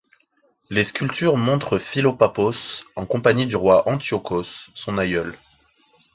Les sculptures montrent Philopappos en compagnie du roi Antiochos, son aïeul.